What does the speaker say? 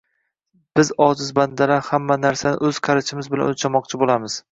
Biz ojiz bandalar hamma narsani o‘z qarichimiz bilan o‘lchamoqchi bo‘lamiz.